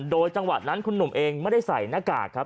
โดยจังหวะนั้นคุณหนุ่มเองไม่ได้ใส่หน้ากากครับ